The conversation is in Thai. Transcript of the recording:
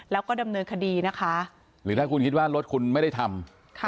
แล้วก็ดำเนินคดีนะคะหรือถ้าคุณคิดว่ารถคุณไม่ได้ทำ